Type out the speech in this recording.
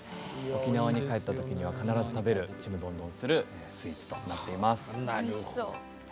沖縄に帰った時には必ず食べるちむどんどんするスイーツとなっています。